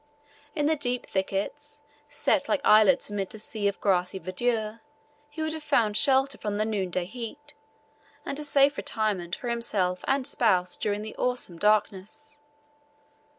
In the deep thickets, set like islets amid a sea of grassy verdure, he would have found shelter from the noonday heat, and a safe retirement for himself and spouse during the awesome darkness.